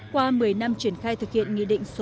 qua một mươi năm triển khai thực hiện nghị định